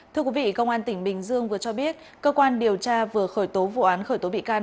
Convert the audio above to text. thưa quý vị công an tỉnh bình dương vừa cho biết cơ quan điều tra vừa khởi tố vụ án khởi tố bị can